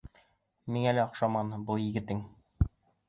Миңә лә оҡшаманы был егетең.